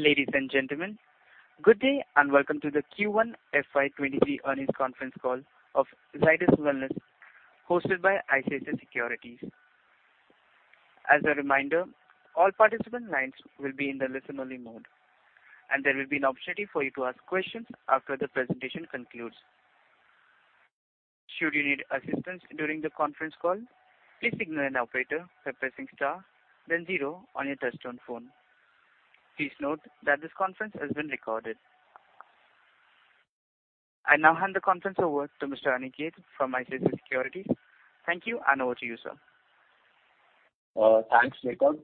Ladies and gentlemen, good day and welcome to the Q1 FY23 earnings conference call of Zydus Wellness, hosted by ICICI Securities. As a reminder, all participant lines will be in the listen only mode, and there will be an opportunity for you to ask questions after the presentation concludes. Should you need assistance during the conference call, please signal an operator by pressing star then zero on your touchtone phone. Please note that this conference has been recorded. I now hand the conference over to Mr. Aniket from ICICI Securities. Thank you and over to you, sir. Thanks, [Nitob].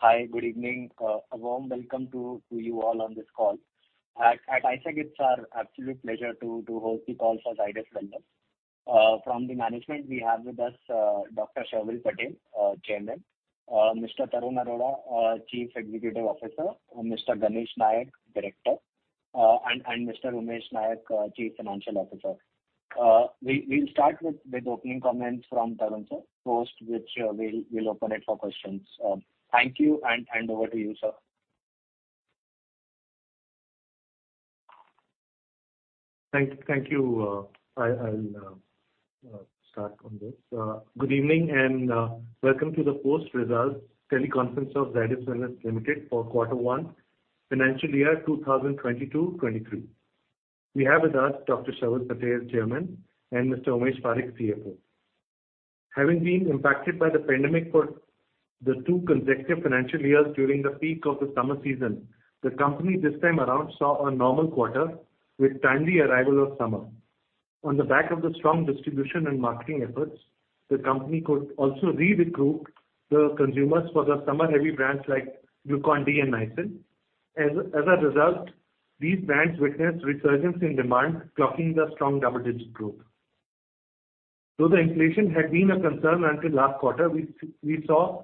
Hi, good evening. A warm welcome to you all on this call. At ICICI it's our absolute pleasure to host the call for Zydus Wellness. From the management we have with us Dr. Sharvil Patel, Chairman, Mr. Tarun Arora, Chief Executive Officer, and Mr. Ganesh Nayak, Director, and Mr. Umesh Parikh, Chief Financial Officer. We'll start with opening comments from Tarun, sir. Post which, we'll open it for questions. Thank you and over to you, sir. Thank you. I'll start on this. Good evening, and welcome to the post-results teleconference of Zydus Wellness Limited for quarter one, financial year 2022-23. We have with us Dr. Sharvil Patel, Chairman, and Mr. Umesh Parikh, CFO. Having been impacted by the pandemic for the two consecutive financial years during the peak of the summer season, the company this time around saw a normal quarter with timely arrival of summer. On the back of the strong distribution and marketing efforts, the company could also recruit the consumers for the summer-heavy brands like Glucon-D and Nycil. As a result, these brands witnessed resurgence in demand, clocking the strong double-digit growth. Though the inflation had been a concern until last quarter, we saw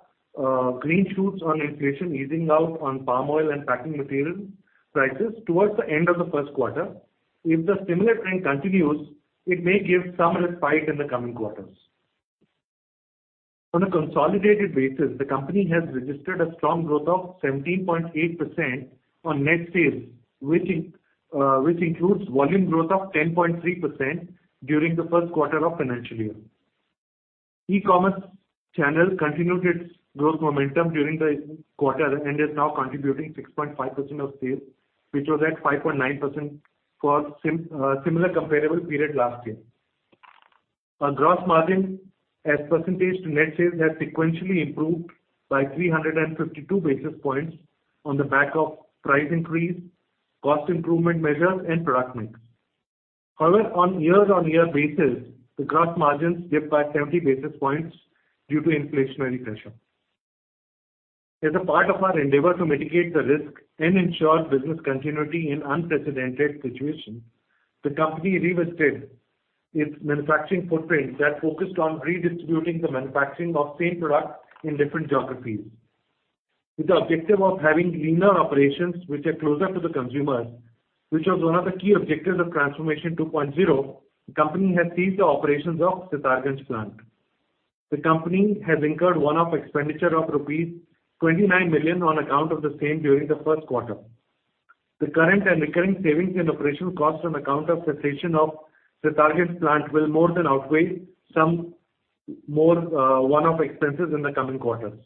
green shoots on inflation easing out on palm oil and packing material prices towards the end of the first quarter. If the similar trend continues, it may give some respite in the coming quarters. On a consolidated basis, the company has registered a strong growth of 17.8% on net sales, which includes volume growth of 10.3% during the first quarter of financial year. E-commerce channel continued its growth momentum during the quarter and is now contributing 6.5% of sales, which was at 5.9% for similar comparable period last year. Our gross margin as percentage to net sales has sequentially improved by 352 basis points on the back of price increase, cost improvement measures and product mix. However, on year-on-year basis, the gross margin slipped by 70 basis points due to inflationary pressure. As a part of our endeavor to mitigate the risk and ensure business continuity in unprecedented situation, the company revisited its manufacturing footprint that focused on redistributing the manufacturing of same product in different geographies. With the objective of having leaner operations which are closer to the consumers, which was one of the key objectives of Transformation 2.0, the company has ceased the operations of Sitarganj plant. The company has incurred one-off expenditure of rupees 29 million on account of the same during the first quarter. The current and recurring savings in operational costs on account of cessation of Sitarganj plant will more than outweigh some more, one-off expenses in the coming quarters.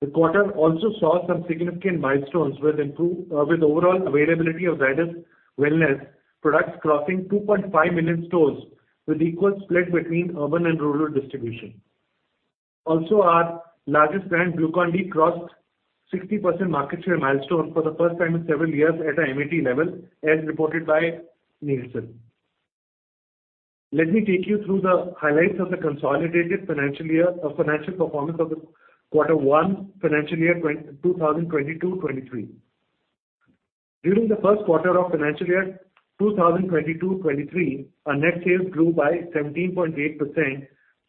The quarter also saw some significant milestones with overall availability of Zydus Wellness products crossing 2.5 million stores with equal split between urban and rural distribution. Our largest brand, Glucon-D, crossed 60% market share milestone for the first time in several years at a MAT level, as reported by Nielsen. Let me take you through the highlights of the consolidated financial year or financial performance of the quarter one financial year 2022-2023. During the first quarter of financial year 2022-2023, our net sales grew by 17.8%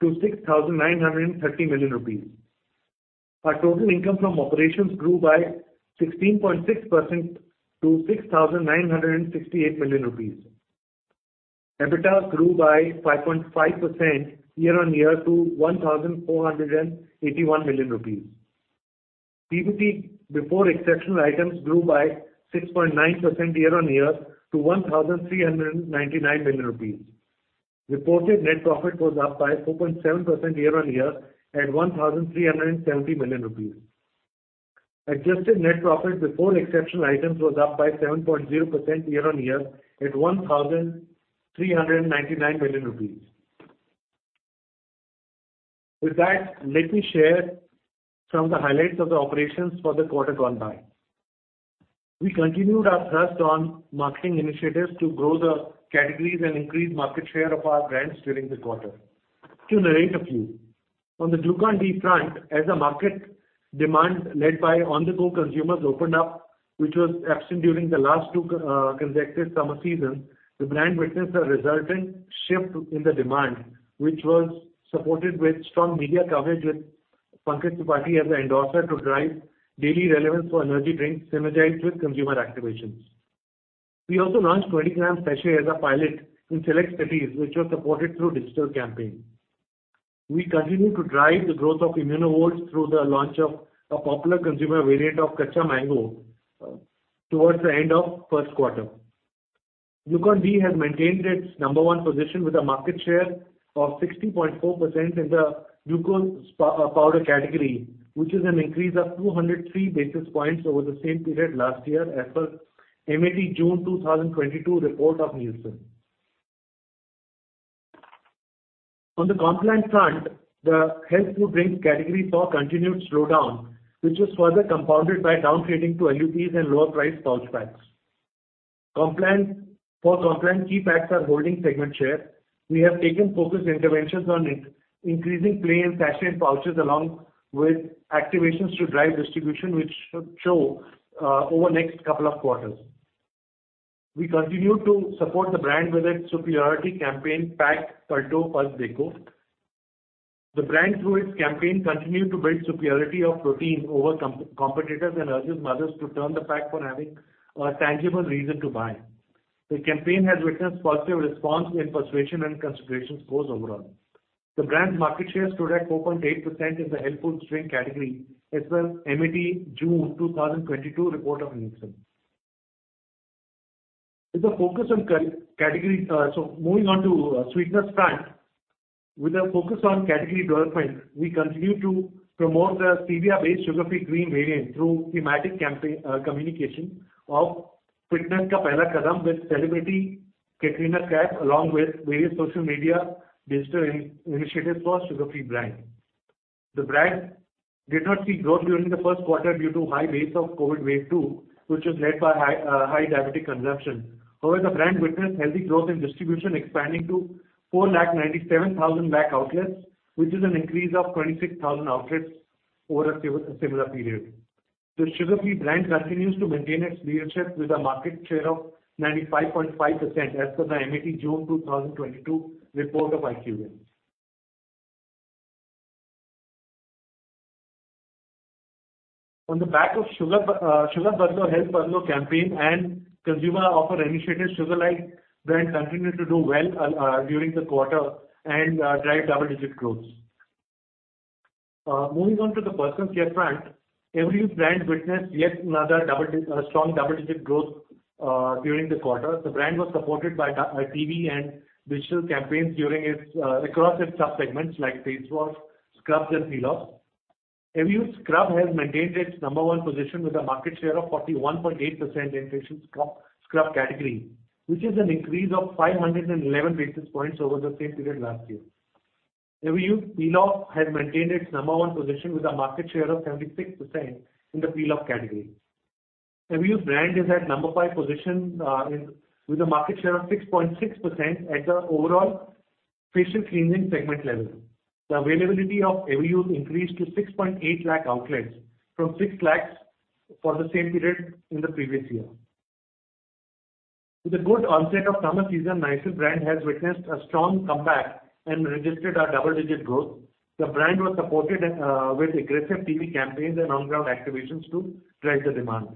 to 6,930 million rupees. Our total income from operations grew by 16.6% to 6,968 million rupees. EBITDA grew by 5.5% year-on-year to 1,481 million rupees. PBT before exceptional items grew by 6.9% year-on-year to 1,399 million rupees. Reported net profit was up by 4.7% year-on-year at 1,370 million rupees. Adjusted net profit before exceptional items was up by 7.0% year-on-year at 1,399 million rupees. With that, let me share some of the highlights of the operations for the quarter gone by. We continued our thrust on marketing initiatives to grow the categories and increase market share of our brands during the quarter. To narrate a few. On the Glucon-D front, as the market demand led by on-the-go consumers opened up, which was absent during the last two consecutive summer seasons, the brand witnessed a resultant shift in the demand, which was supported with strong media coverage with Pankaj Tripathi as the endorser to drive daily relevance for energy drinks synergized with consumer activations. We also launched 20 g sachets as a pilot in select cities which were supported through digital campaign. We continue to drive the growth of ImmunoVolt through the launch of a popular consumer variant of kaccha mango towards the end of first quarter. Glucon-D has maintained its number one position with a market share of 60.4% in the glucose powder category, which is an increase of 203 basis points over the same period last year as per MAT June 2022 report of Nielsen. On the Complan front, the health food drinks category saw continued slowdown, which was further compounded by down-trading to LUPs and lower-priced pouch packs. Complan, key packs are holding segment share. We have taken focused interventions on increasing plain sachet pouches along with activations to drive distribution, which should show over next couple of quarters. We continue to support the brand with its superiority campaign Pack Palto, Farak Dekho. The brand, through its campaign, continue to build superiority of protein over competitors and urges mothers to turn the pack for having a tangible reason to buy. The campaign has witnessed positive response in persuasion and consideration scores overall. The brand's market share stood at 4.8% in the health food drink category as per MAT June 2022 report of Nielsen. With a focus on category. Moving on to sweeteners front. With a focus on category development, we continue to promote the stevia-based Sugar Free Green variant through thematic campaign communication of Fitness Ka Pehla Kadam with celebrity Katrina Kaif, along with various social media digital initiatives for Sugar Free brand. The brand did not see growth during the first quarter due to high base of COVID wave two, which was led by high diabetic consumption. However, the brand witnessed healthy growth in distribution, expanding to 497,000 rural outlets, which is an increase of 26,000 outlets over a similar period. The Sugar Free brand continues to maintain its leadership with a market share of 95.5% as per the MAT June 2022 report of IQVIA. On the back of Sugar Badlo, Health Badlo campaign and consumer offer initiatives, Sugarlite brand continued to do well during the quarter and drive double-digit growth. Moving on to the personal care front. Everyuth brand witnessed yet another strong double-digit growth during the quarter. The brand was supported by TV and digital campaigns across its sub-segments like face wash, scrubs, and peel-offs. Everyuth Scrub has maintained its number one position with a market share of 41.8% in facial scrub category, which is an increase of 511 basis points over the same period last year. Everyuth Peel Off has maintained its number one position with a market share of 76% in the peel-off category. Everyuth brand is at number five position in with a market share of 6.6% at the overall facial cleansing segment level. The availability of Everyuth increased to 6.8 lakh outlets from 6 lakhs for the same period in the previous year. With the good onset of summer season, Nycil brand has witnessed a strong comeback and registered a double-digit growth. The brand was supported with aggressive TV campaigns and on-ground activations to drive the demand.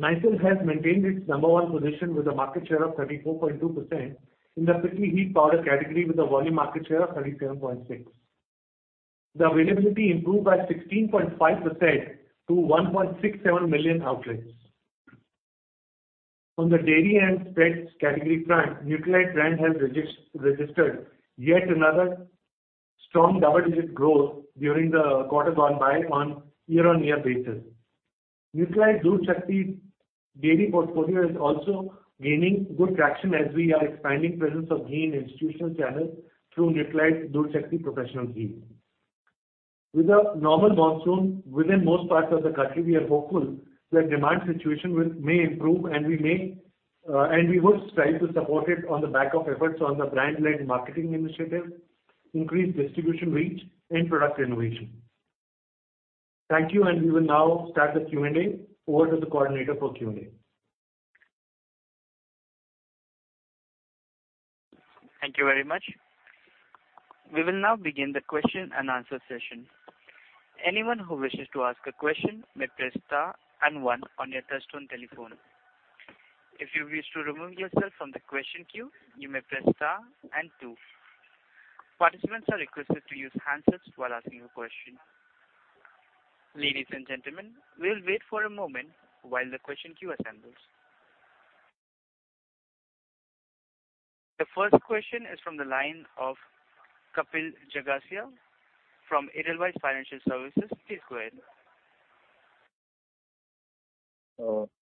Nycil has maintained its number one position with a market share of 34.2% in the prickly heat powder category with a volume market share of 37.6%. The availability improved by 16.5% to 1.67 million outlets. On the dairy and spreads category front, Nutralite brand has registered yet another strong double-digit growth during the quarter gone by on year-on-year basis. Nutralite DoodhShakti dairy portfolio is also gaining good traction as we are expanding presence of ghee in institutional channels through Nutralite DoodhShakti Professional Ghee. With a normal monsoon within most parts of the country, we are hopeful that demand situation may improve, and we would strive to support it on the back of efforts on the brand-led marketing initiatives, increased distribution reach, and product innovation. Thank you. We will now start the Q&A. Over to the coordinator for Q&A. Thank you very much. We will now begin the question-and-answer session. Anyone who wishes to ask a question may press star and one on your touch-tone telephone. If you wish to remove yourself from the question queue, you may press star and two. Participants are requested to use handsets while asking a question. Ladies and gentlemen, we'll wait for a moment while the question queue assembles. The first question is from the line of Kapil Jagasia from Edelweiss Financial Services. Please go ahead.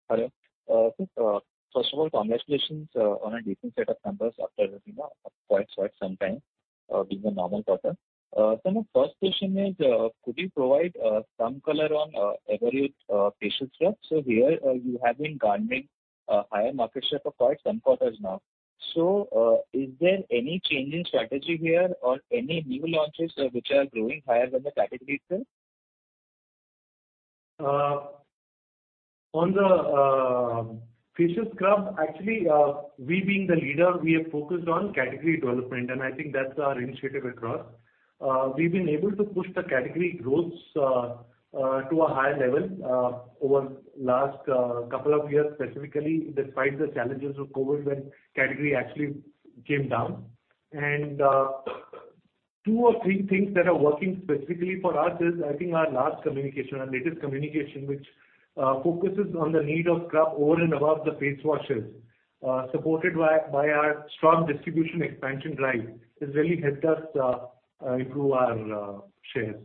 Hello. First of all, congratulations on a decent set of numbers after, you know, a quite some time being a normal quarter. My first question is, could you provide some color on Everyuth Facial Scrub? Here, you have been garnering higher market share for quite some quarters now. Is there any change in strategy here or any new launches which are growing higher than the category itself? On the facial scrub, actually, we being the leader, we have focused on category development, and I think that's our initiative across. We've been able to push the category growth to a higher level over last couple of years, specifically despite the challenges of COVID, when category actually came down. Two or three things that are working specifically for us is, I think our latest communication, which focuses on the need of scrub over and above the face washes, supported by our strong distribution expansion drive, has really helped us improve our shares.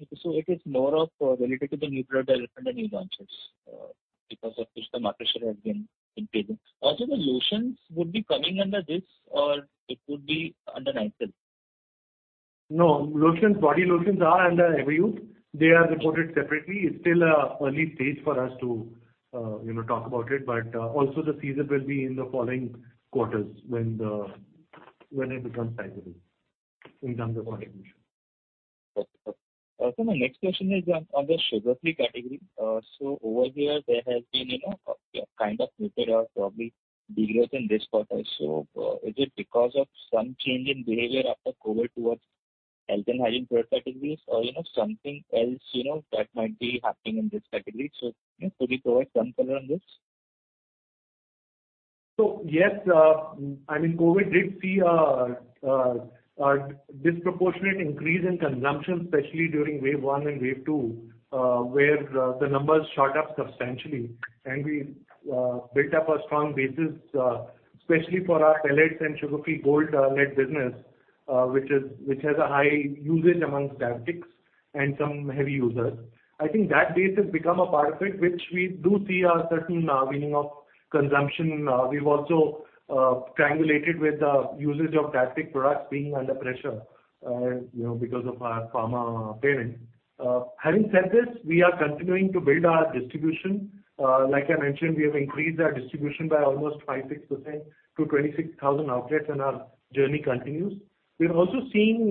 It is more of related to the new product development and launches, because of which the market share has been increasing. Also, the lotions would be coming under this or it could be under Nycil? No. Lotions, body lotions are under Everyuth. They are reported separately. It's still early stage for us to you know talk about it, but also the season will be in the following quarters when it becomes sizable in terms of contribution. Okay. Also, my next question is on the Sugar Free category. Over here there has been, you know, a kind of upturn, probably bigger than this quarter. Is it because of some change in behavior after COVID towards health and hygiene product categories or, you know, something else, you know, that might be happening in this category? Could you throw us some color on this? Yes, I mean, COVID did see a disproportionate increase in consumption, especially during wave one and wave two, where the numbers shot up substantially and we built up a strong basis, especially for our pellets and Sugar Free Gold lead business, which has a high usage among diabetics and some heavy users. I think that base has become a part of it, which we do see a certain weaning of consumption. We've also triangulated with the usage of diabetic products being under pressure, you know, because of our pharma parent. Having said this, we are continuing to build our distribution. Like I mentioned, we have increased our distribution by almost 5%-6% to 26,000 outlets, and our journey continues. We're also seeing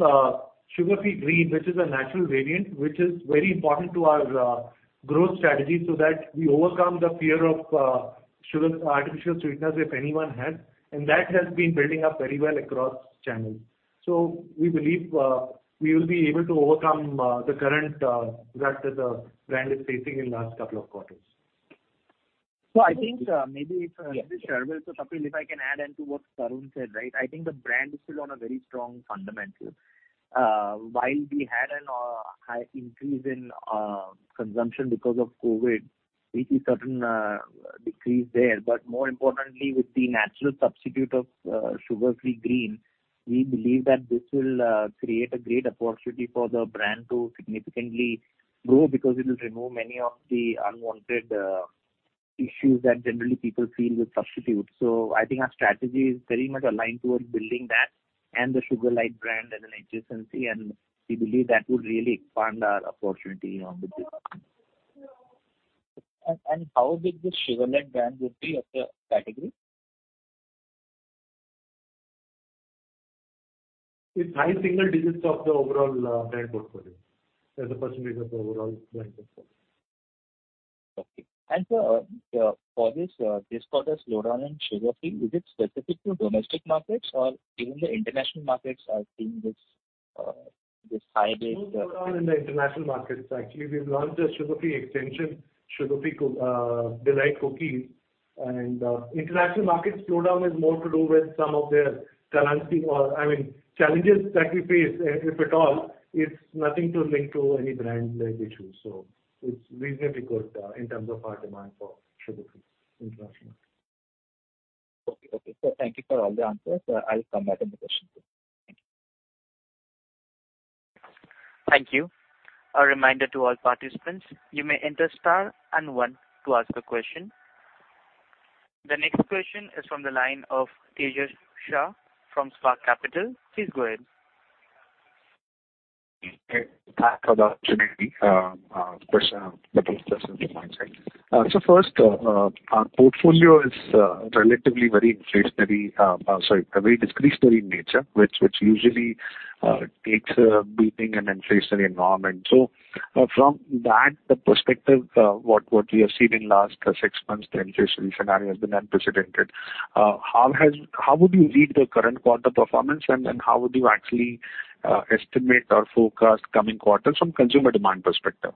Sugar Free Green, which is a natural variant, which is very important to our growth strategy, so that we overcome the fear of sugar, artificial sweeteners, if anyone had. That has been building up very well across channels. We believe we will be able to overcome the current threat that the brand is facing in last couple of quarters. I think, maybe if I can add into what Tarun said, right. I think the brand is still on a very strong fundamental. While we had an high increase in consumption because of COVID, we see certain decrease there. But more importantly, with the natural substitute of Sugar Free Green, we believe that this will create a great opportunity for the brand to significantly grow because it will remove many of the unwanted issues that generally people feel with substitutes. I think our strategy is very much aligned towards building that and the Sugarlite brand as an adjacency, and we believe that would really expand our opportunity on the business. How big the Sugarlite brand would be of the category? It's high single digits of the overall brand portfolio. As a percentage of the overall brand portfolio. Sir, for this quarter slowdown in Sugar Free, is it specific to domestic markets or even the international markets are seeing this high rate? Slowdown in the international markets. Actually, we've launched a Sugar Free extension, Sugar Free D'lite cookies. International markets slowdown is more to do with some of their currency or, I mean, challenges that we face, if at all, it's nothing to link to any brand-led issue. It's reasonably good in terms of our demand for Sugar Free international. Okay. Sir, thank you for all the answers. I'll come back in the question. Thank you. Thank you. A reminder to all participants, you may enter star and one to ask a question. The next question is from the line of Tejas Shah from Spark Capital. Please go ahead. Thanks for the opportunity. First, our portfolio is relatively very discretionary in nature, which usually takes a beating in inflationary environment. From that perspective, what we have seen in last six months, the inflationary scenario has been unprecedented. How would you read the current quarter performance, and then how would you actually estimate or forecast coming quarters from consumer demand perspective?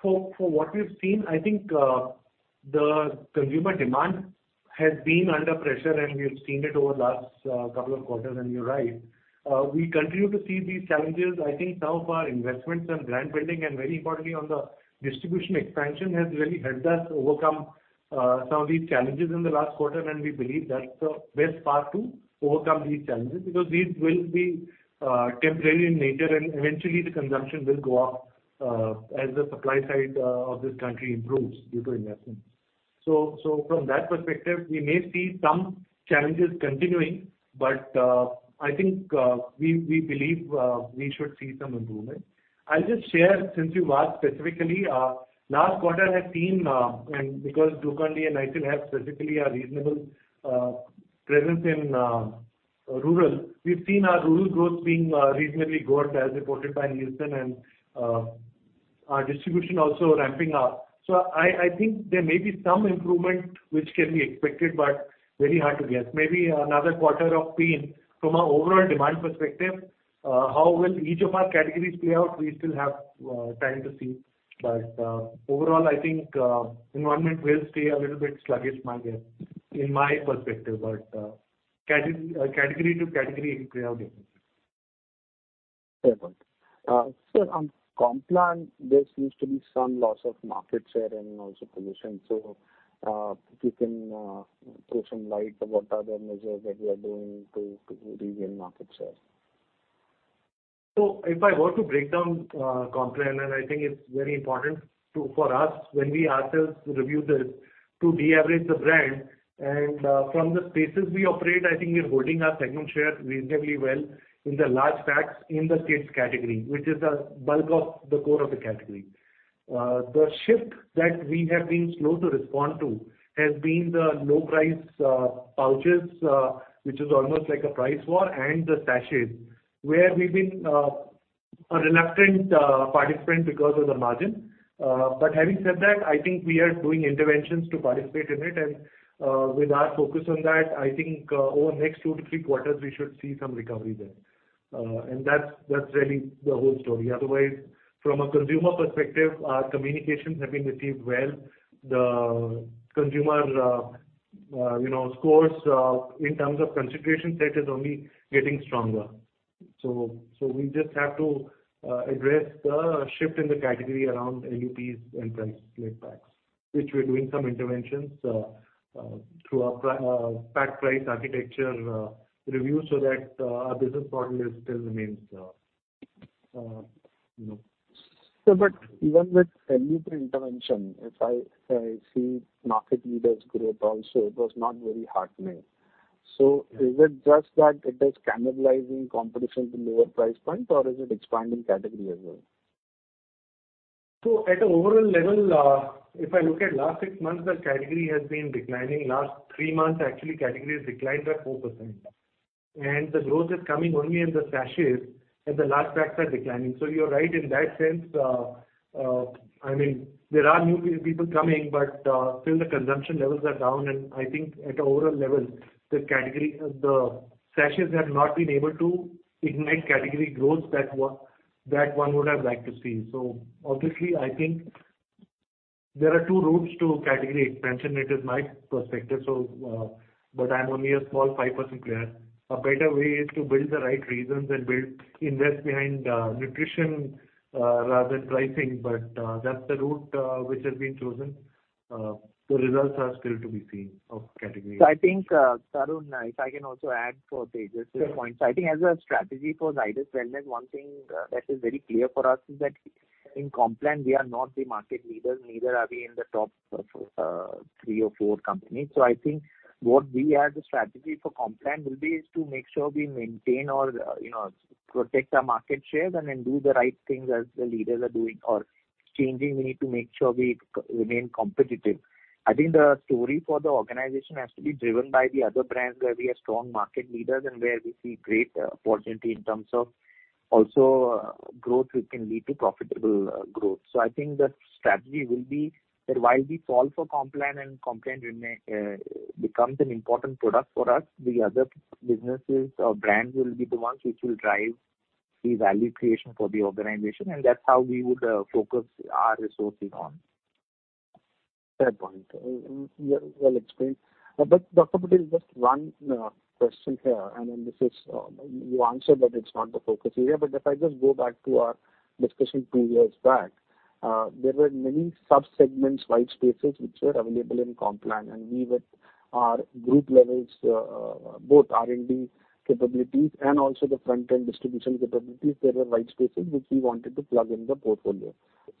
For what we've seen, I think, the consumer demand has been under pressure, and we've seen it over last couple of quarters, and you're right. We continue to see these challenges. I think some of our investments on brand building and very importantly on the distribution expansion has really helped us overcome some of these challenges in the last quarter. We believe that's the best path to overcome these challenges, because these will be temporary in nature, and eventually the consumption will go up as the supply side of this country improves due to investments. From that perspective, we may see some challenges continuing, but I think we believe we should see some improvement. I'll just share, since you've asked specifically, last quarter has seen, and because Glucon-D and Nycil have specifically a reasonable presence in rural. We've seen our rural growth being reasonably good as reported by Nielsen and our distribution also ramping up. I think there may be some improvement which can be expected, but very hard to guess. Maybe another quarter of pain from a overall demand perspective. How will each of our categories play out? We still have time to see. Overall, I think environment will stay a little bit sluggish, my guess, in my perspective. But category to category it will play out differently. Fair point. On Complan, there seems to be some loss of market share and also position. If you can throw some light about other measures that we are doing to regain market share. If I were to break down Complan, and I think it's very important for us when we ask ourselves to review this, to de-average the brand. From the spaces we operate, I think we're holding our segment share reasonably well in the large packs in the kids category, which is the bulk of the core of the category. The shift that we have been slow to respond to has been the low price pouches, which is almost like a price war and the sachets where we've been a reluctant participant because of the margin. Having said that, I think we are doing interventions to participate in it. With our focus on that, I think over the next two to three quarters we should see some recovery there. That's really the whole story. Otherwise, from a consumer perspective, our communications have been received well. The consumer scores in terms of concentration set is only getting stronger. We just have to address the shift in the category around LUPs and price led packs, which we're doing some interventions through our pack price architecture review so that our business model still remains. Even with LUP intervention, if I see market leaders grow also, it was not very heartening. Is it just that it is cannibalizing competition to lower price points or is it expanding category as well? At an overall level, if I look at last six months, the category has been declining. Last three months actually category has declined by 4%. The growth is coming only in the sachets, and the large packs are declining. You're right in that sense. I mean, there are new people coming, but still the consumption levels are down. I think at an overall level, the category, the sachets have not been able to ignite category growth that one would have liked to see. Obviously, I think there are two routes to category expansion. It is my perspective. But I'm only a small 5% player. A better way is to build the right reasons and invest behind nutrition rather than pricing. That's the route which has been chosen. The results are still to be seen of category. I think, Tarun, if I can also add for Tejas' point. Sure. I think as a strategy for Zydus Wellness, one thing, that is very clear for us is that in Complan we are not the market leaders, neither are we in the top, three or four companies. I think what we as a strategy for Complan will be is to make sure we maintain or, you know, protect our market shares and then do the right things as the leaders are doing or changing. We need to make sure we remain competitive. I think the story for the organization has to be driven by the other brands where we are strong market leaders and where we see great opportunity in terms of also growth, which can lead to profitable growth. I think the strategy will be that while we solve for Complan and Complan becomes an important product for us, the other businesses or brands will be the ones which will drive the value creation for the organization, and that's how we would focus our resources on. Fair point. Yeah, well explained. Dr. Patel, just one question here, and then this is you answered, but it's not the focus area. If I just go back to our discussion two years back, there were many sub-segments, white spaces which were available in Complan and we with our group levels both R&D capabilities and also the front-end distribution capabilities, there were white spaces which we wanted to plug in the portfolio.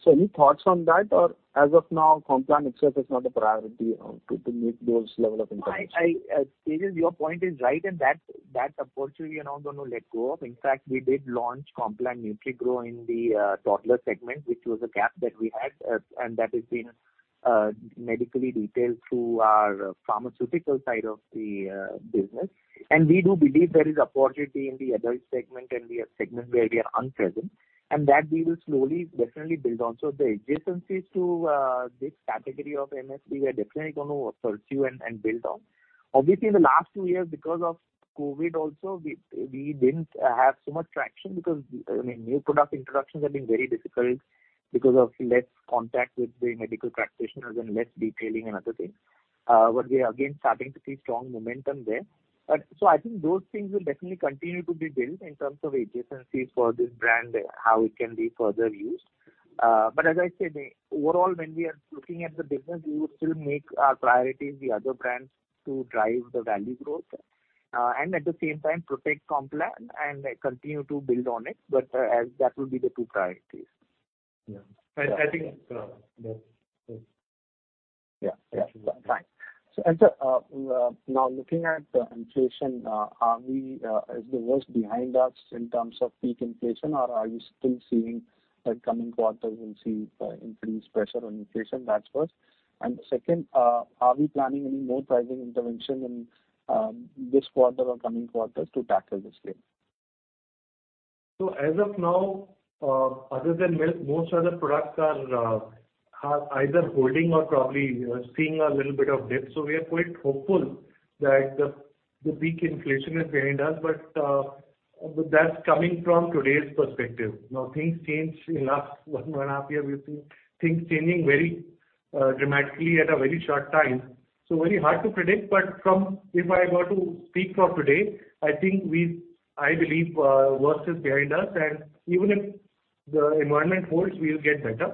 Any thoughts on that? As of now, Complan itself is not a priority to meet those level of intentions. Tejas your point is right, and that opportunity we are not gonna let go of. In fact, we did launch Complan NutriGro in the toddler segment, which was a gap that we had, and that has been medically detailed through our pharmaceutical side of the business. We do believe there is opportunity in the adult segment and we have segments where we are present and that we will slowly, definitely build on. The adjacencies to this category of HFD, we are definitely gonna pursue and build on. Obviously in the last two years because of COVID also, we didn't have so much traction because, I mean, new product introductions have been very difficult because of less contact with the medical practitioners and less detailing and other things. We are again starting to see strong momentum there. I think those things will definitely continue to be built in terms of adjacencies for this brand, how it can be further used. As I said, overall, when we are looking at the business, we would still make our priorities the other brands to drive the value growth, and at the same time protect Complan and continue to build on it. That will be the two priorities. Yeah. I think, yeah. Yeah, yeah. Fine. Now looking at inflation, is the worst behind us in terms of peak inflation? Or are you still seeing that in coming quarters we'll see increased pressure on inflation? That's first. Second, are we planning any more pricing intervention in this quarter or coming quarters to tackle this risk? As of now, other than milk, most other products are either holding or probably, you know, seeing a little bit of dip. We are quite hopeful that the peak inflation is behind us. That's coming from today's perspective. Things change. In the last one and a half years, we've seen things changing very dramatically in a very short time. Very hard to predict, but if I were to speak for today, I think I believe the worst is behind us, and even if the environment holds, we'll get better.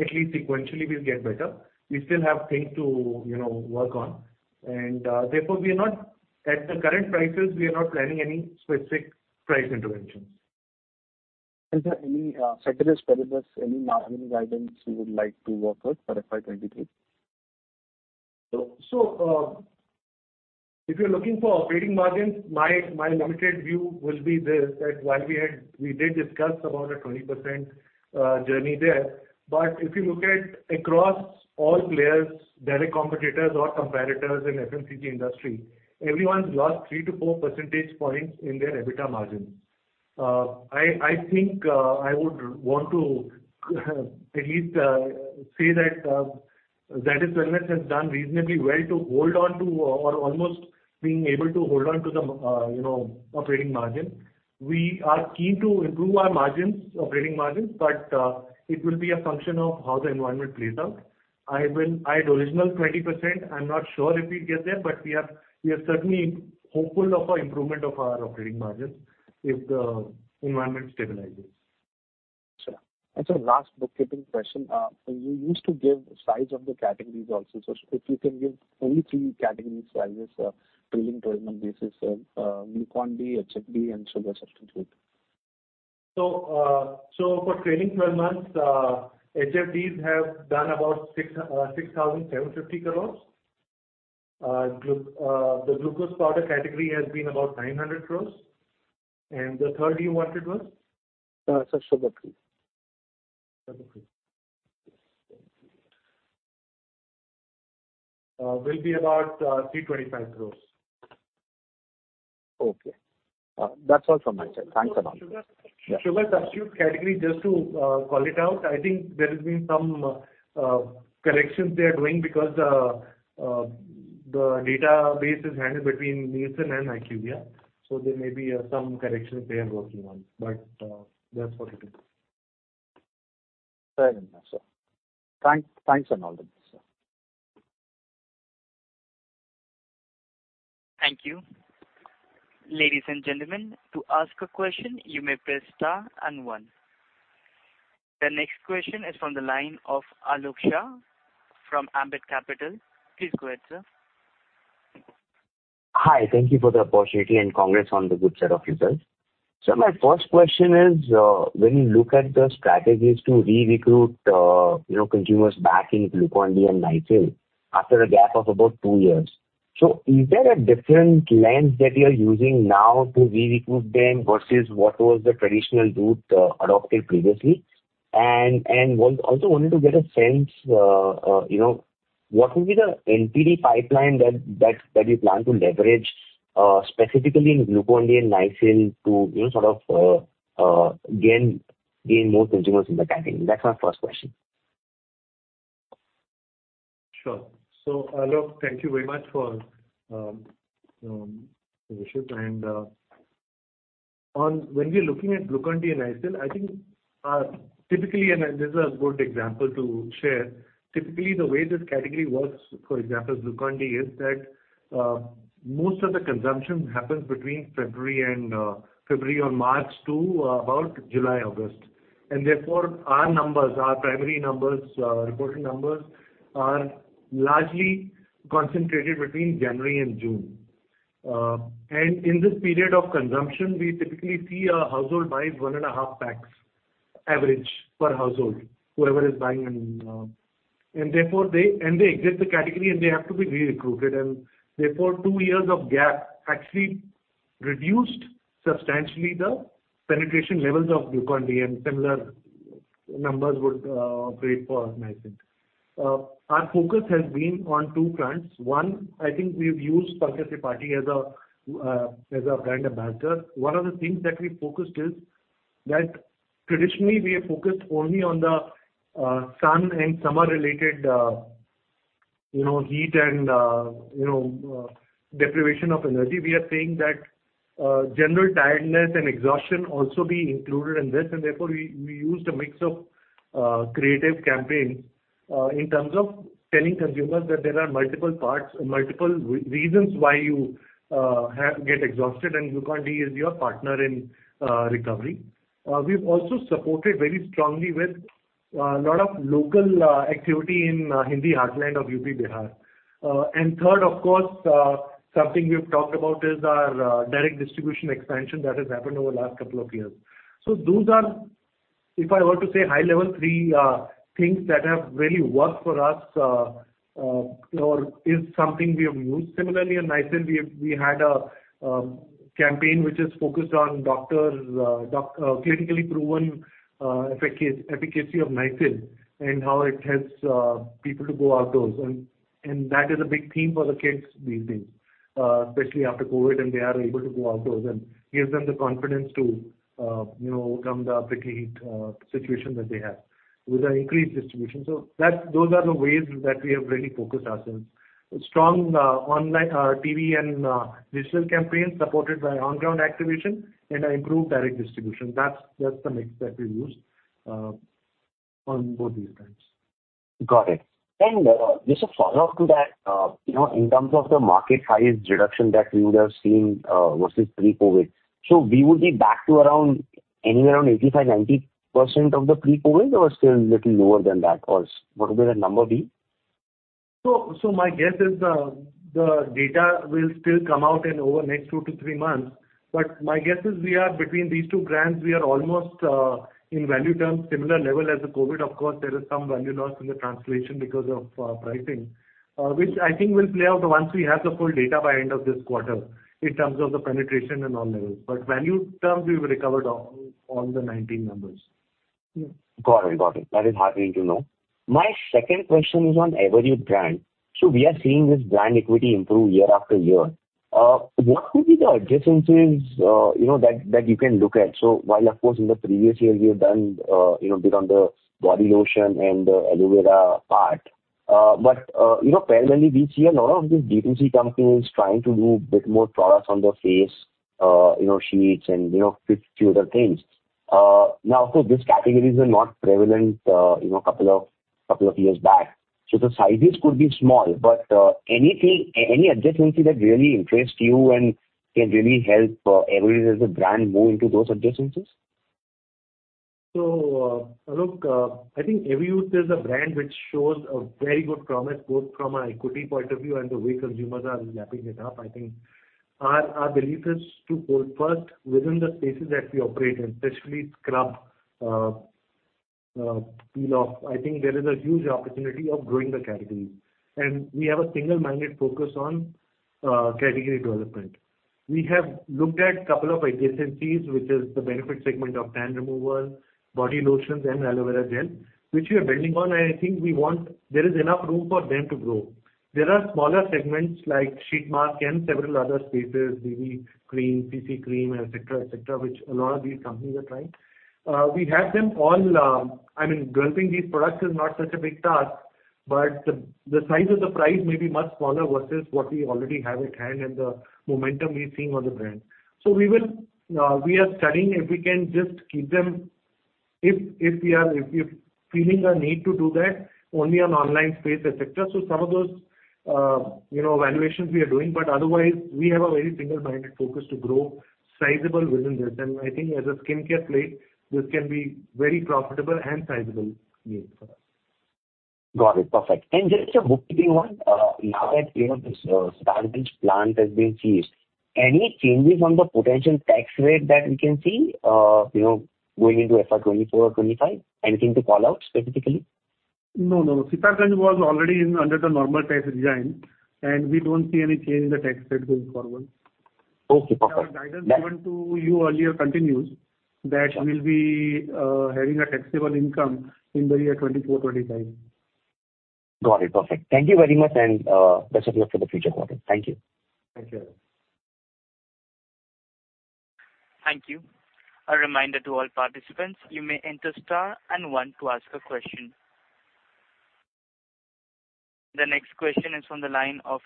At least sequentially we'll get better. We still have things to, you know, work on. At the current prices, we are not planning any specific price interventions. Is there any secular spenders, any margin guidance you would like to work with for FY 2023? If you're looking for operating margins, my limited view will be this, that while we did discuss about a 20% journey there. If you look at across all players, direct competitors or comparators in FMCG industry, everyone's lost 3 percentage point-4 percentage point in their EBITDA margin. I think I would want to at least say that Zydus Wellness has done reasonably well to hold on to or almost being able to hold on to the, you know, operating margin. We are keen to improve our margins, operating margins, but it will be a function of how the environment plays out. I had original 20%. I'm not sure if we get there, but we are certainly hopeful of our improvement of our operating margins if the environment stabilizes. Sure. Sir, last bookkeeping question. You used to give size of the categories also. If you can give only three categories sizes, trailing twelve-month basis, Glucon-D, HFD and sugar substitute?will be about INR 325 crores For trailing twelve months, HFDs have done about 6,750 crores. The glucose powder category has been about 900 crores. The third you wanted was? Sir, Sugar Free. Sugar Free Will be about 325 crores. Okay. That's all from my side. Thanks a lot. Sugar, sugar substitute category, just to call it out, I think there has been some corrections they are doing because the database is handled between Nielsen and IQVIA. There may be some corrections they are working on, but that's what it is. Fair enough, sir. Thanks and all the best, sir. Thank you. Ladies and gentlemen, to ask a question, you may press star and one. The next question is from the line of Alok Shah from Ambit Capital. Please go ahead, sir. Hi. Thank you for the opportunity and congrats on the good set of results. My first question is, when you look at the strategies to re-recruit, you know, consumers back in Glucon-D and Nycil after a gap of about two years. Is there a different lens that you're using now to re-recruit them versus what was the traditional route adopted previously? Also wanted to get a sense, you know, what will be the NPD pipeline that you plan to leverage, specifically in Glucon-D and Nycil to, you know, sort of, gain more consumers in the category? That's my first question. Sure. Alok, thank you very much for the question. When we're looking at Glucon-D and Nycil, I think typically, and this is a good example to share. Typically, the way this category works, for example, Glucon-D, is that most of the consumption happens between February or March to about July, August. Therefore, our numbers, our primary numbers, reporting numbers are largely concentrated between January and June. In this period of consumption, we typically see a household buy one and a half packs average per household, whoever is buying and therefore they exit the category, and they have to be re-recruited. Therefore, two years of gap actually reduced substantially the penetration levels of Glucon-D and similar numbers would apply for Nycil. Our focus has been on two prongs. One, I think we've used Pankaj Tripathi as a brand ambassador. One of the things that we focused is that traditionally we have focused only on the sun and summer related, you know, heat and, you know, deprivation of energy. We are saying that general tiredness and exhaustion also be included in this. Therefore, we used a mix of creative campaign in terms of telling consumers that there are multiple parts, multiple reasons why you get exhausted, and Glucon-D is your partner in recovery. We've also supported very strongly with lot of local activity in Hindi heartland of UP, Bihar. Third, of course, something we've talked about is our direct distribution expansion that has happened over the last couple of years. Those are, if I were to say high level, three things that have really worked for us, or is something we have used. Similarly on Nycil, we had a campaign which is focused on doctors, clinically proven efficacy of Nycil and how it helps people to go outdoors. That is a big theme for the kids these days, especially after COVID, and they are able to go outdoors and gives them the confidence to you know, overcome the prickly heat situation that they have with our increased distribution. Those are the ways that we have really focused ourselves. Strong online, TV and digital campaigns supported by on-ground activation and an improved direct distribution. That's the mix that we use on both these brands. Got it. Just a follow-up to that, you know, in terms of the market size reduction that we would have seen, versus pre-COVID. We would be back to around, anywhere around 85%, 90% of the pre-COVID, or still little lower than that? Or what would the number be? My guess is the data will still come out over the next 2 months-3 months. My guess is we are between these two brands; we are almost in value terms similar level as the COVID. Of course, there is some value loss in the translation because of pricing, which I think will play out once we have the full data by end of this quarter in terms of the penetration and all levels. Value terms, we will recover all the 2019 numbers. Got it. That is heartening to know. My second question is on Everyuth brand. We are seeing this brand equity improve year after year. What would be the adjacencies, you know, that you can look at? While of course in the previous year you have done, you know, bit on the body lotion and aloe vera part. Parallelly, we see a lot of these DTC companies trying to do bit more products on the face, you know, sheets and, you know, few other things. Now, of course, these categories were not prevalent, you know, couple of years back. The sizes could be small, but any adjacency that really interests you and can really help Everyuth as a brand move into those adjacencies? Alok, I think Everyuth is a brand which shows a very good promise, both from an equity point of view and the way consumers are lapping it up, I think. Our belief is to go first within the spaces that we operate in, especially scrub, peel off. I think there is a huge opportunity of growing the category. We have a single-minded focus on category development. We have looked at couple of adjacencies, which is the benefit segment of tan removal, body lotions and aloe vera gel, which we are building on. I think there is enough room for them to grow. There are smaller segments like sheet mask and several other spaces, BB cream, CC cream, et cetera, which a lot of these companies are trying. We have them all. I mean, grouping these products is not such a big task, but the size of the prize may be much smaller versus what we already have at hand and the momentum we're seeing on the brand. We are studying if we can just keep them, if we are feeling a need to do that only on online space, et cetera. Some of those, you know, evaluations we are doing, but otherwise we have a very single-minded focus to grow sizable within this. I think as a skincare play, this can be very profitable and sizable unit for us. Got it. Perfect. Just a bookkeeping one. Now that, you know, this Sitarganj plant has been ceased, any changes on the potential tax rate that we can see, you know, going into FY 2024 or 2025? Anything to call out specifically? No, no. Sitarganj was already in under the normal tax regime, and we don't see any change in the tax rate going forward. Okay. Perfect. Our guidance given to you earlier continues, that we'll be having a taxable income in the year 2024-2025. Got it. Perfect. Thank you very much, and best of luck for the future quarter. Thank you. Thank you. Thank you. A reminder to all participants, you may enter star and one to ask a question. The next question is from the line of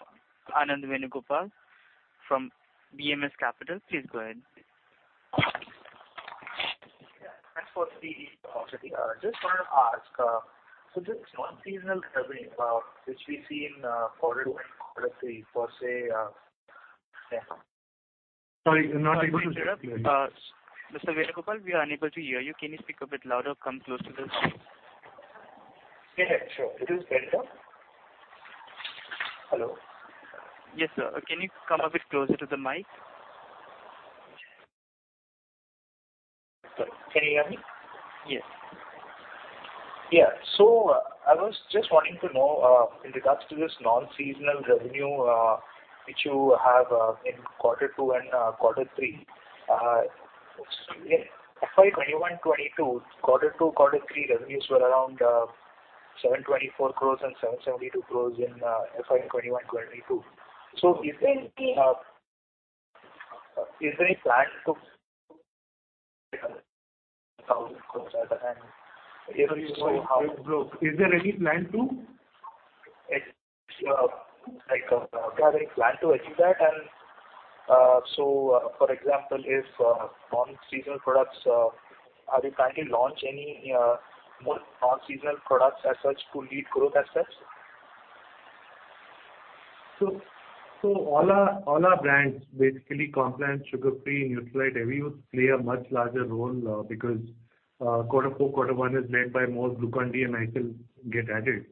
Anand Venugopal from BMSPL Capital. Please go ahead. Yeah. Thanks for the opportunity. Just wanted to ask, so this non-seasonal revenue, which we see in quarter one, quarter three, for, say. Yeah. Sorry, not able to hear you. Mr. Venugopal, we are unable to hear you. Can you speak a bit louder? Come close to the Yeah, yeah. Sure. It is better? Hello. Yes, sir. Can you come a bit closer to the mic? Sorry. Can you hear me? Yes. I was just wanting to know in regard to this non-seasonal revenue which you have in quarter two and quarter three. In FY 2021-2022, quarter two, quarter three revenues were around 724 crore and 772 crore in FY 2021-2022. Is there- Is there any plan to INR 1,000 crore at the end? Sorry. Is there any plan to? Like, do you have any plan to achieve that? For example, if non-seasonal products, are you planning to launch any more non-seasonal products as such to lead growth assets? All our brands, basically Complan, Sugar Free, Nutralite, Everyuth, play a much larger role because quarter four, quarter one is led by Nycil and Glucon-D.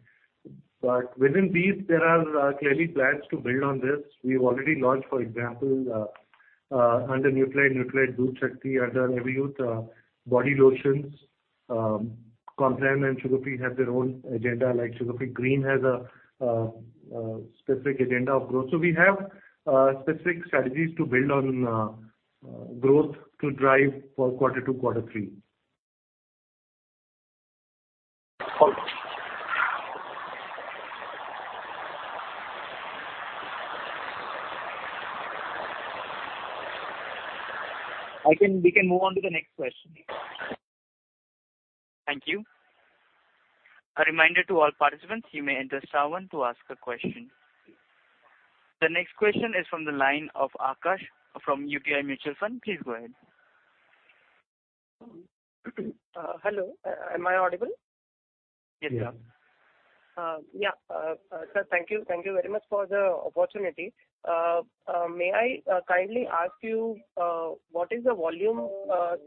Within these there are clearly plans to build on this. We've already launched, for example, under Nutralite DoodhShakti, under Everyuth, body lotions. Complan and Sugar Free have their own agenda. Like Sugar Free Green has a specific agenda of growth. We have specific strategies to build on growth to drive for quarter two, quarter three. Got it. We can move on to the next question. Thank you. A reminder to all participants, you may enter star one to ask a question. The next question is from the line of Akash from UTI Mutual Fund. Please go ahead. Hello. Am I audible? Yes, sir. Sir, thank you. Thank you very much for the opportunity. May I kindly ask you what is the volume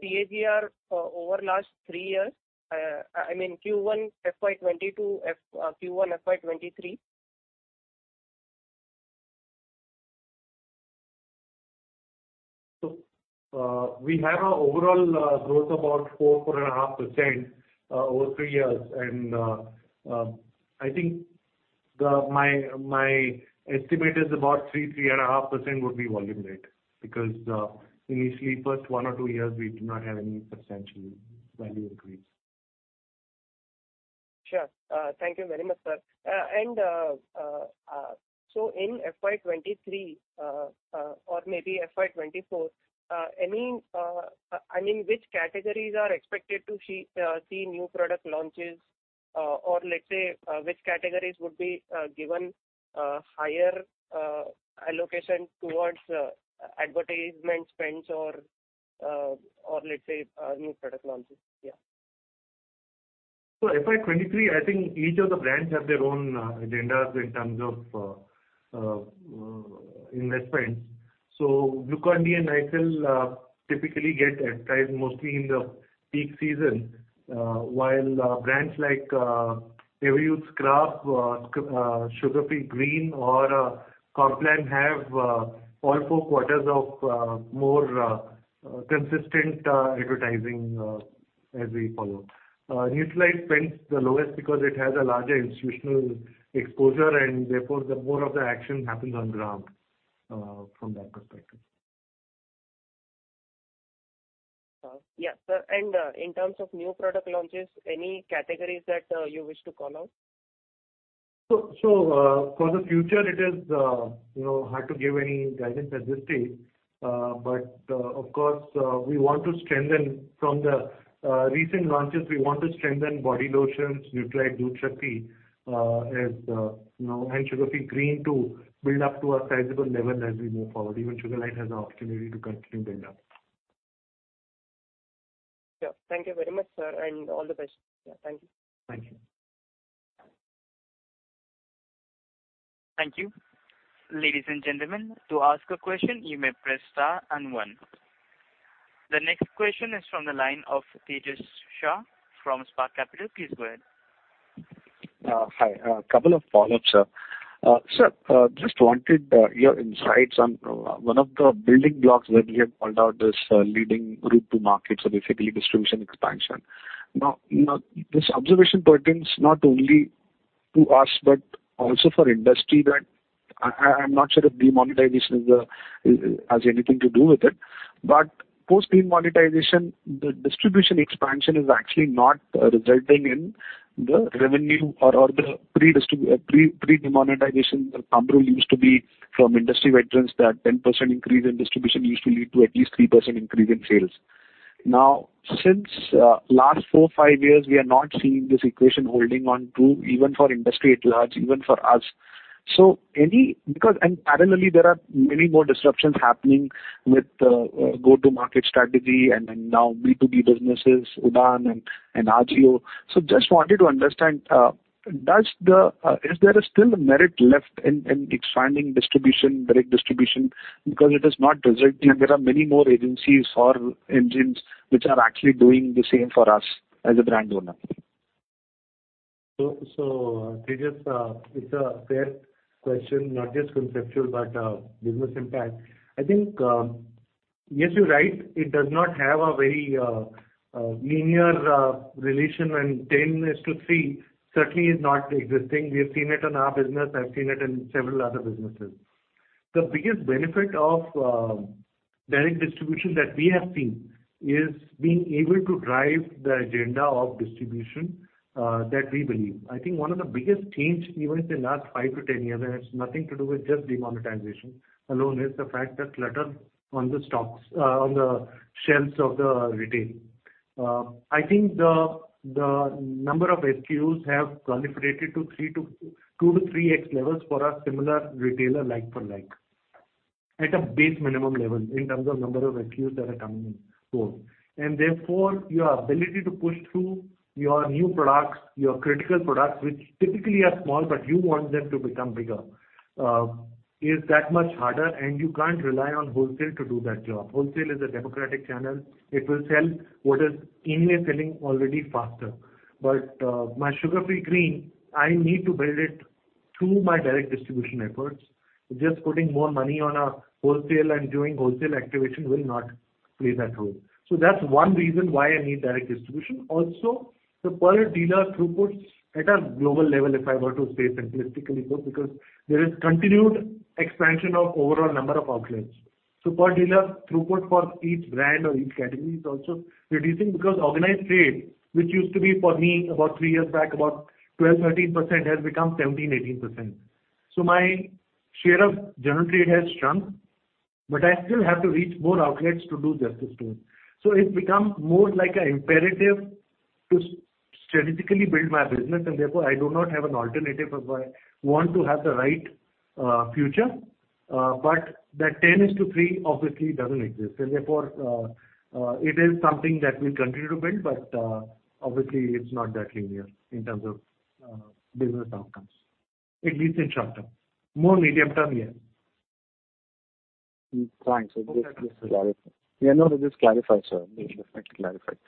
CAGR over last three years? I mean Q1 FY 2022, Q1 FY 2023. We have an overall growth about 4%,4.5% over 3 years. I think my estimate is about 3%-3.5% would be volume rate, because initially first one or two years, we do not have any substantial value increase. Sure. Thank you very much, sir. In FY 2023 or maybe FY 2024, I mean, which categories are expected to see new product launches? Or let's say, which categories would be given higher allocation towards advertisement spends or new product launches? Yeah. FY 2023, I think each of the brands have their own agendas in terms of investments. Glucon-D and Nycil typically get advertised mostly in the peak season, while brands like Everyuth Scrub, Sugar Free Green or Complan have all four quarters of more consistent advertising as we follow. Nutralite spends the lowest because it has a larger institutional exposure, and therefore, the more of the action happens on ground from that perspective. Sir, in terms of new product launches, any categories that you wish to call out? For the future, it is you know hard to give any guidance at this stage. Of course, we want to strengthen from the recent launches, we want to strengthen body lotions, Nutralite DoodhShakti, as you know, and Sugar Free Green to build up to a sizable level as we move forward. Even Sugarlite has an opportunity to continue build up. Yeah. Thank you very much, sir, and all the best. Yeah, thank you. Thank you. Thank you. Ladies and gentlemen, to ask a question, you may press star and one. The next question is from the line of Tejas Shah from Spark Capital. Please go ahead. Hi. A couple of follow-ups, sir. Sir, just wanted your insights on one of the building blocks that you have called out is leading route to market, so basically distribution expansion. This observation pertains not only to us, but also for industry that I'm not sure if demonetization has anything to do with it. But post demonetization, the distribution expansion is actually not resulting in the revenue or the pre-demonetization. The thumb rule used to be from industry veterans that 10% increase in distribution used to lead to at least 3% increase in sales. Now, since last four, five years, we are not seeing this equation holding true even for industry at large, even for us. Any...Parallelly, there are many more disruptions happening with go-to-market strategy and then now B2B businesses, Udaan and Ajio. Just wanted to understand, is there still a merit left in expanding distribution, direct distribution? It is not resulting, and there are many more agencies or engines which are actually doing the same for us as a brand owner. Tejas Shah, it's a fair question, not just conceptual, but business impact. I think yes, you're right, it does not have a very linear relation, and 10:3 certainly is not existing. We have seen it in our business. I've seen it in several other businesses. The biggest benefit of direct distribution that we have seen is being able to drive the agenda of distribution that we believe. I think one of the biggest change events in last five to 10 years, and it's nothing to do with just demonetization alone, is the fact that clutter on the stocks on the shelves of the retail. I think the number of SKUs have proliferated to 2x to 3x levels for a similar retailer like for like, at a base minimum level in terms of number of SKUs that are coming in store. Therefore, your ability to push through your new products, your critical products, which typically are small, but you want them to become bigger, is that much harder and you can't rely on wholesale to do that job. Wholesale is a democratic channel. It will sell what is anyway selling already faster. My Sugar Free Green, I need to build it through my direct distribution efforts. Just putting more money on a wholesale and doing wholesale activation will not play that role. That's one reason why I need direct distribution. Also, the per dealer throughputs at a global level, if I were to say simplistically, because there is continued expansion of overall number of outlets. Per dealer throughput for each brand or each category is also reducing because organized trade, which used to be for me about three years back, about 12%-13% has become 17%-18%. My share of general trade has shrunk. I still have to reach more outlets to do justice to it. It's become more like a imperative to strategically build my business, and therefore I do not have an alternative if I want to have the right, future. That 10:3 obviously doesn't exist. Therefore, it is something that we'll continue to build, but obviously it's not that linear in terms of, business outcomes. At least in short term. More medium term, yes. Thanks. So this is clarified. Yeah, no, this is clarified, sir. Definitely clarified.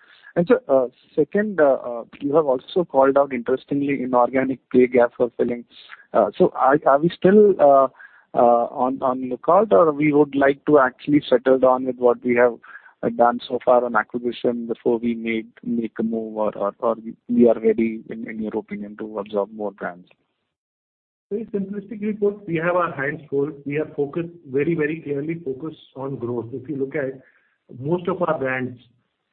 Second, you have also called out interestingly inorganic play gap fulfilling. Are we still on lookout or we would like to actually settle down with what we have done so far on acquisition before we make a move or we are ready in your opinion to absorb more brands? Very simplistically put, we have our hands full. We are very, very clearly focused on growth. If you look at most of our brands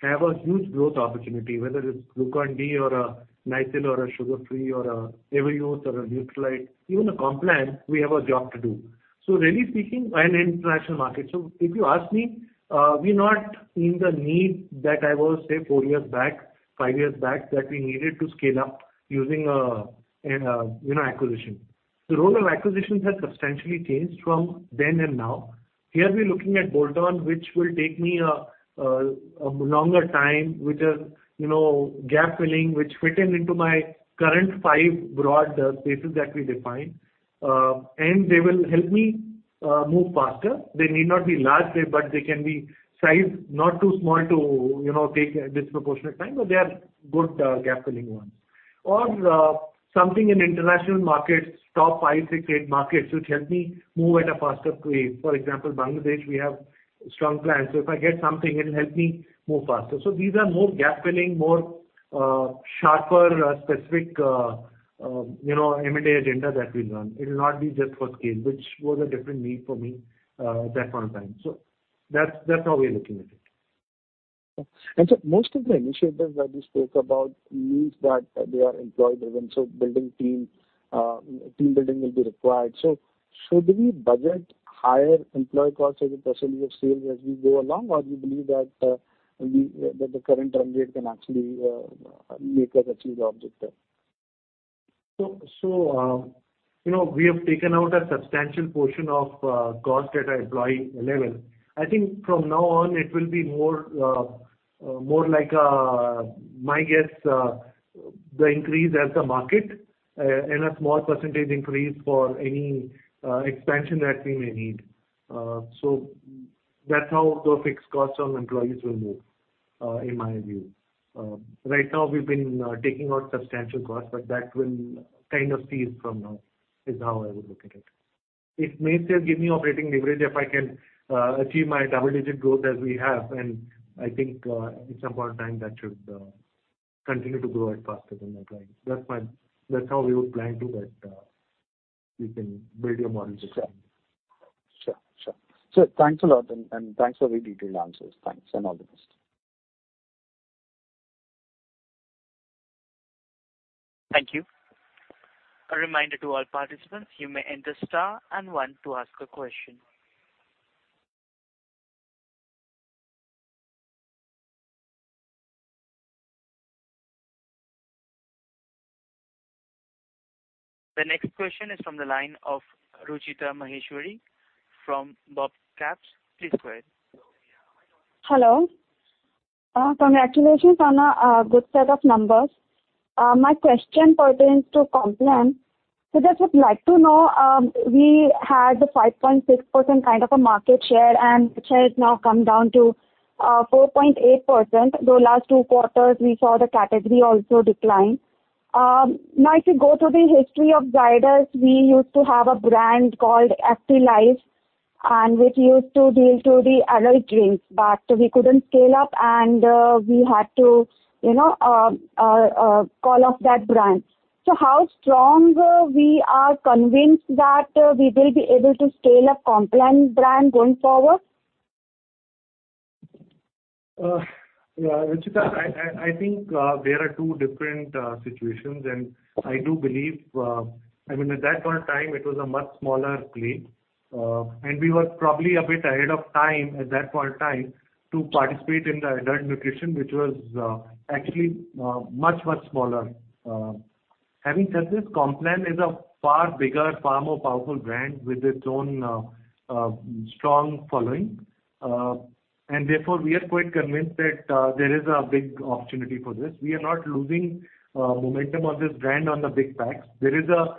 have a huge growth opportunity, whether it's Glucon-D or a Nycil or a Sugar Free or a Everyuth or a Nutralite, even a Complan, we have a job to do. Really speaking, and international market. If you ask me, we're not in the need that I was say four years back, five years back, that we needed to scale up using a, an, you know, acquisition. The role of acquisitions has substantially changed from then and now. Here we're looking at bolt-on which will take me a longer time with a, you know, gap filling which fit in into my current five broad spaces that we define. They will help me move faster. They need not be large play, but they can be sized not too small to, you know, take disproportionate time, but they are good, gap filling ones. Something in international markets, top five, six, eight markets which help me move at a faster pace. For example, Bangladesh we have strong plans. If I get something it'll help me move faster. These are more gap filling, more, sharper, specific, you know, M&A agenda that we run. It will not be just for scale which was a different need for me, at that point in time. That's how we are looking at it. Most of the initiatives that you spoke about means that they are employee-driven, so team building will be required. Should we budget higher employee costs as a percentage of sales as we go along or you believe that we that the current run rate can actually make us achieve the objective? You know, we have taken out a substantial portion of cost at a employee level. I think from now on it will be more like my guess the increase as the market and a small percentage increase for any expansion that we may need. That's how the fixed costs on employees will move in my view. Right now we've been taking out substantial costs but that will kind of cease from now is how I would look at it. It may still give me operating leverage if I can achieve my double-digit growth as we have and I think at some point in time that should continue to grow at faster than that, right? That's how we would plan to, but you can build your models as well. Sure. Thanks a lot and thanks for the detailed answers. Thanks and all the best. Thank you. A reminder to all participants, you may enter star and one to ask a question. The next question is from the line of Ruchita Maheshwari from BOB Caps. Please go ahead. Hello. Congratulations on a good set of numbers. My question pertains to Complan. Just would like to know, we had the 5.6% kind of a market share and which has now come down to 4.8%, though last two quarters we saw the category also decline. Now if you go through the history of Zydus, we used to have a brand called ActiLife and which used to cater to the adult drinks, but we couldn't scale up and we had to, you know, call off that brand. How strong we are convinced that we will be able to scale up Complan brand going forward? Yeah, Ruchita, I think there are two different situations. I do believe, I mean at that point in time it was a much smaller play. We were probably a bit ahead of time at that point in time to participate in the adult nutrition which was actually much smaller. Having said this, Complan is a far bigger, far more powerful brand with its own strong following. Therefore we are quite convinced that there is a big opportunity for this. We are not losing momentum on this brand on the big packs. There is a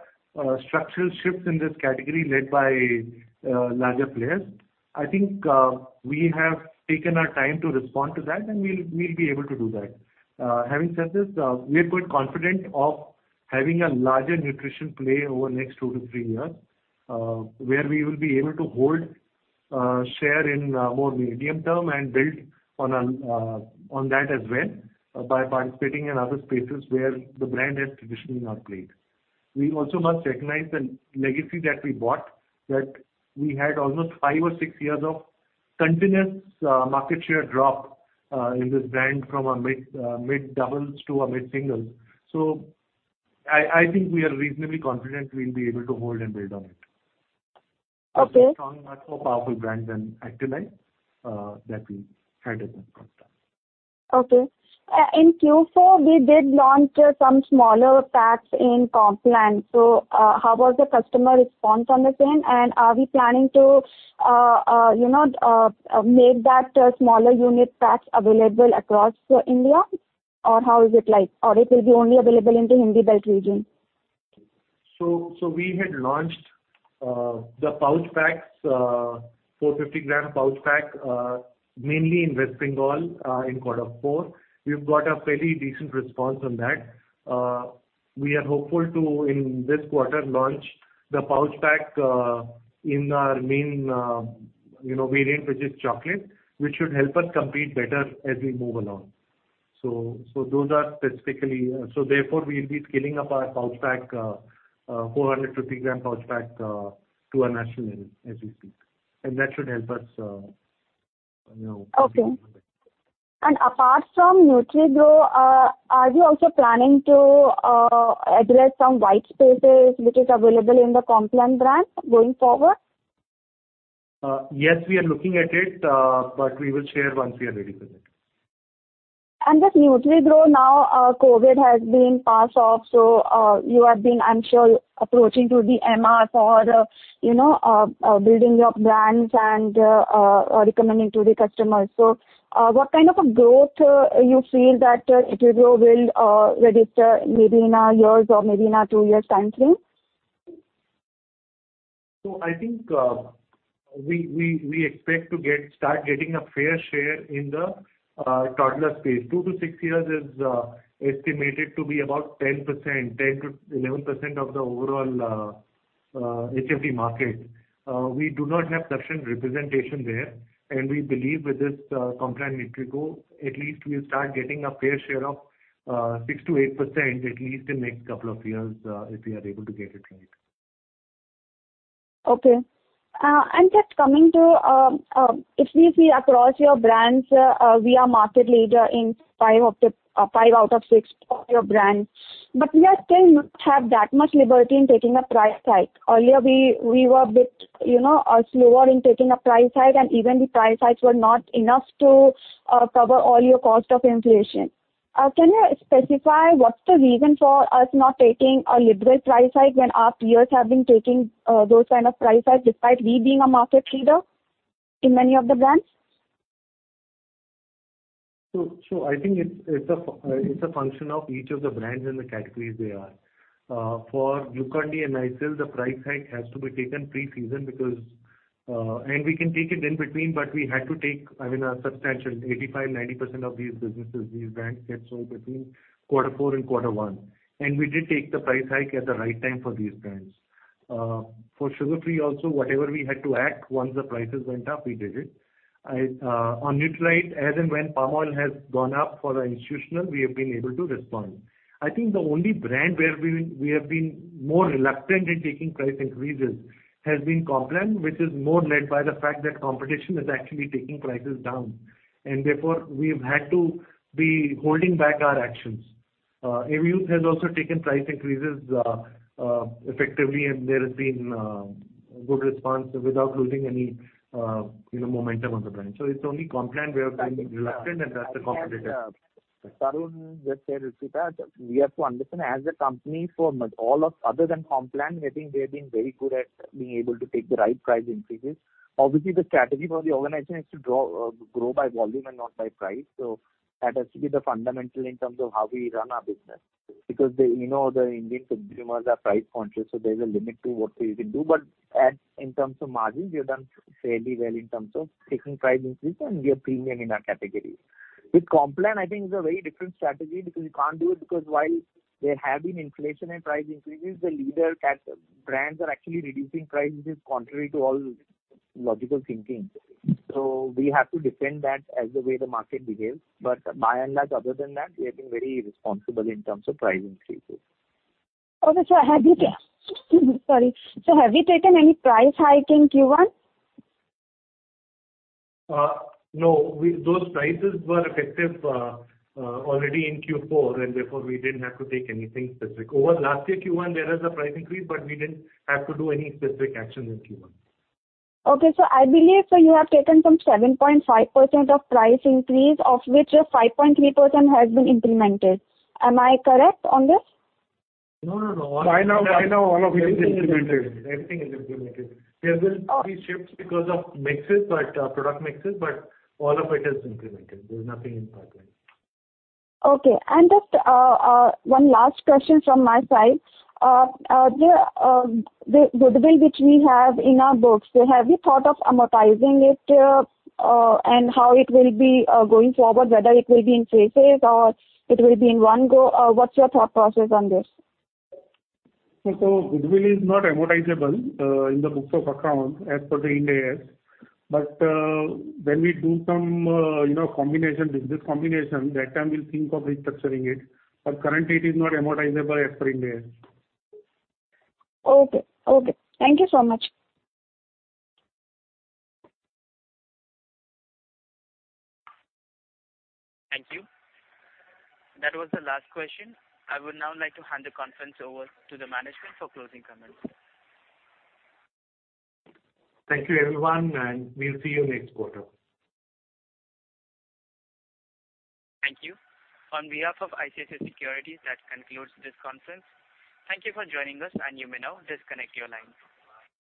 structural shift in this category led by larger players. I think we have taken our time to respond to that and we'll be able to do that. Having said this, we're quite confident of having a larger nutrition play over next two to three years, where we will be able to hold share in more medium term and build on that as well by participating in other spaces where the brand has traditionally not played. We also must recognize the legacy that we bought, that we had almost five or six years of continuous market share drop in this brand from a mid doubles to a mid singles. I think we are reasonably confident we'll be able to hold and build on it. Okay. A strong, much more powerful brand than ActiLife that we had at that point in time. Okay. In Q4 we did launch some smaller packs in Complan. How was the customer response on the same? Are we planning to, you know, make that smaller unit packs available across India? How is it like? It will be only available in the Hindi belt region? We had launched the pouch packs, 450 g pouch pack, mainly in West Bengal, in quarter four. We've got a fairly decent response on that. We are hopeful to, in this quarter, launch the pouch pack in our main, you know, variant, which is chocolate, which should help us compete better as we move along. Therefore we'll be scaling up our pouch pack, 450 g pouch pack, to a national level as we speak. That should help us, you know, compete better. Okay. Apart from NutriGro, are you also planning to address some white spaces which is available in the Complan brand going forward? Yes, we are looking at it, but we will share once we are ready for that. With NutriGro now, COVID has been passed off, so you are being, I'm sure, approaching to the MR for, you know, building your brands and recommending to the customers. What kind of a growth you feel that NutriGro will register maybe in a year or maybe in a two years' time frame? I think we expect to start getting a fair share in the toddler space. Two to six years is estimated to be about 10%, 10%-11% of the overall HFD market. We do not have sufficient representation there, and we believe with this Complan NutriGro, at least we'll start getting a fair share of 6%-8%, at least in next couple of years, if we are able to get it right. Okay. Just coming to, if we see across your brands, we are market leader in five out of six of your brands, but we are still not have that much liberty in taking a price hike. Earlier we were a bit, you know, slower in taking a price hike, and even the price hikes were not enough to cover all your cost of inflation. Can you specify what's the reason for us not taking a liberal price hike when our peers have been taking those kind of price hikes, despite we being a market leader in many of the brands? I think it's a function of each of the brands and the categories they are. For Glucon-D and Nycil, the price hike has to be taken pre-season because we can take it in between, but we had to take, I mean, a substantial 85%-90% of these businesses, these brands get sold between quarter four and quarter one. We did take the price hike at the right time for these brands. For Sugar Free also, whatever we had to act, once the prices went up, we did it. On Nutralite, as and when palm oil has gone up for our institutional, we have been able to respond. I think the only brand where we have been more reluctant in taking price increases has been Complan, which is more led by the fact that competition is actually taking prices down. Therefore, we have had to be holding back our actions. Amul has also taken price increases effectively, and there has been a good response without losing any you know momentum on the brand. It's only Complan we have been reluctant, and that's the competitive- Tarun just said, Ruchita, we have to understand, as a company for all of, other than Complan, I think we have been very good at being able to take the right price increases. Obviously, the strategy for the organization is to grow by volume and not by price. That has to be the fundamental in terms of how we run our business. Because, you know, the Indian consumers are price-conscious, so there's a limit to what we can do. As in terms of margins, we have done fairly well in terms of taking price increase, and we are premium in our categories. With Complan, I think it's a very different strategy because you can't do it, because while there have been inflation and price increases, the leading category brands are actually reducing prices, contrary to all logical thinking. We have to defend that as the way the market behaves. By and large, other than that, we have been very responsible in terms of price increases. Sir, have you taken any price hike in Q1? No. Those prices were effective already in Q4, and therefore we didn't have to take anything specific. Over last year Q1, there was a price increase, but we didn't have to do any specific actions in Q1. Okay. I believe, sir, you have taken some 7.5% price increase, of which 5.3% has been implemented. Am I correct on this? No, no. By now all of it is implemented. Everything is implemented. There will be shifts because of product mixes, but all of it is implemented. There's nothing in pipeline. Okay. Just one last question from my side. The goodwill which we have in our books, so have you thought of amortizing it, and how it will be going forward, whether it will be in phases or it will be in one go? What's your thought process on this? Goodwill is not amortizable in the books of account as per the Ind AS. When we do some you know combination, business combination, that time we'll think of restructuring it. Currently it is not amortizable as per Ind AS. Okay. Thank you so much. Thank you. That was the last question. I would now like to hand the conference over to the management for closing comments. Thank you everyone, and we'll see you next quarter. Thank you. On behalf of ICICI Securities, that concludes this conference. Thank you for joining us, and you may now disconnect your line.